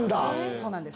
そうなんです。